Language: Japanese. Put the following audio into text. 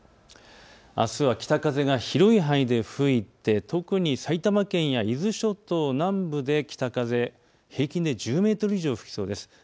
あすは北風が広い範囲で吹いて特に埼玉県や伊豆諸島南部で北風、平均で１０メートル以上吹きそうです。